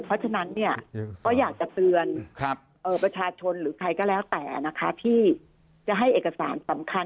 เพราะฉะนั้นก็อยากจะเตือนประชาชนหรือใครก็แล้วแต่นะคะที่จะให้เอกสารสำคัญ